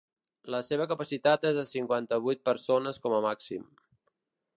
La seva capacitat és de cinquanta-vuit persones com a màxim.